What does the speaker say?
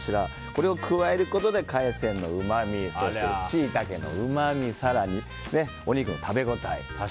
これを加えることで海鮮のうまみそして、シイタケのうまみ更に、お肉の食べ応え。